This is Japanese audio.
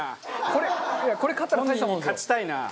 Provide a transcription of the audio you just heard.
これ勝ちたいな。